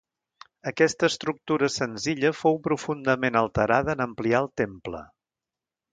Aquesta estructura senzilla fou profundament alterada en ampliar el temple.